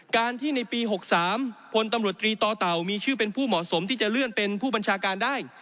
การที่ในปี๖๓พลตำรวจตรีต่อเต่ามีชื่อเป็นผู้เหมาะสมที่จะเลื่อนเป็นผู้บัญชาการได้